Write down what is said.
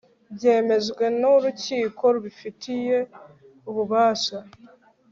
byemejwe n'urukiko rubifitiye ububasha